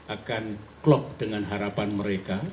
akan klop dengan harapan mereka